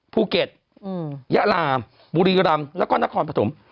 ภูเก็ตยะลาบุรีรำแล้วก็นครปฐม